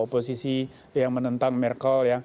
oposisi yang menentang merkel